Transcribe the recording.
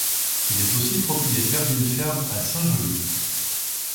Il est aussi propriétaire d'une ferme à Saint-Jovite.